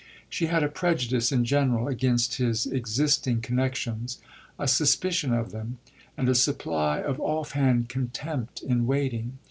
She had a prejudice, in general, against his existing connexions, a suspicion of them, and a supply of off hand contempt in waiting.